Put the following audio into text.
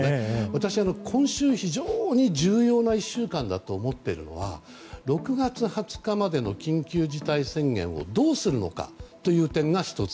私は今週、非常に重要な一週間だと思っているのは６月２０日までの緊急事態宣言をどうするのかという点が１つ。